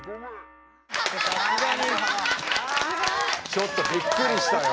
・ちょっとびっくりしたよ。